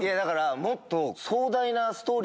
もっと。